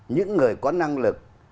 những người có năng lực